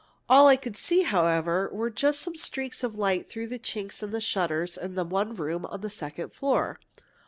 All I could see, however, were just some streaks of light through the chinks in the shutters in that one room on the second floor.